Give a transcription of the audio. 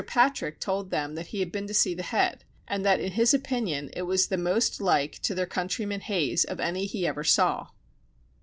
Patrick told them that he had been to see the head, and that in his opinion it was the most like to their countryman Hayes of any he ever saw.